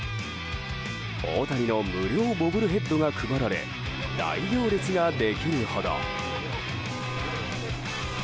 大谷の無料ボブルヘッドが配られ大行列ができるほど。